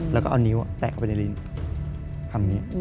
แล้วก็เอานิ้วแตะเข้าไปในคำนี้